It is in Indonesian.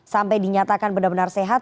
sampai dinyatakan benar benar sehat